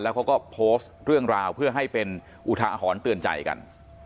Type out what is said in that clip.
เขาก็โพสต์เรื่องราวเพื่อให้เป็นอุทาหรณ์เตือนใจกัน